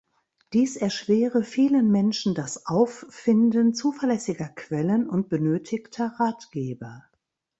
Dies erschwere vielen Menschen das Auffinden zuverlässiger Quellen und benötigter Ratgeber.